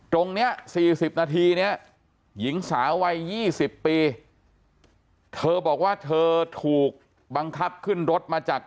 ตรงนี้๔๐นาทีเนี่ยหญิงสาววัย๒๐ปีเธอบอกว่าเธอถูกบังคับขึ้นรถมาจาก